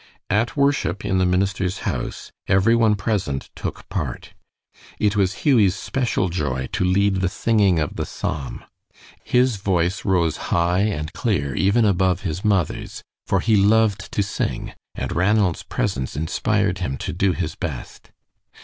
At worship in the minister's house every one present took part. It was Hughie's special joy to lead the singing of the psalm. His voice rose high and clear, even above his mother's, for he loved to sing, and Ranald's presence inspired him to do his best.